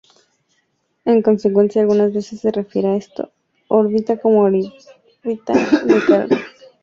En consecuencia, algunas veces se refiere a esta órbita como órbita de Clarke.